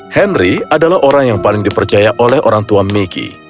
henry adalah orang yang paling dipercaya oleh orang tua miki